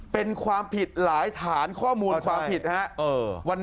เป็นความผิดหลายฐานข้อมูลความผิดนะครับ